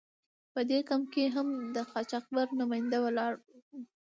په دې کمپ کې هم د قاچاقبر نماینده ولاړ و.